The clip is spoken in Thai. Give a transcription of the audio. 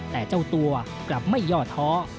แต่เจ้าตัวกลับไม่ย่อท้อ